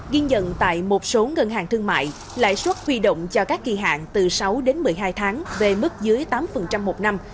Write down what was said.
ghi nhận tại một số ngân hàng thương mại lãi suất huy động cho các kỳ hạn từ sáu đến một mươi hai tháng về mức dưới tám một năm